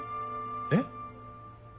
えっ？